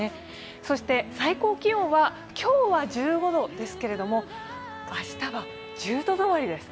そして最高気温は、今日は１５度ですけれども、明日は１０度止まりです。